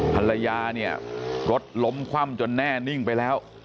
ภรรยาเนี่ยรถล้มคว่ำจนแน่นิ่งไปแล้ว